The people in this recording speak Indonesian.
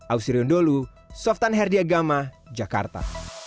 ausirion dholu softan herdiagama jakarta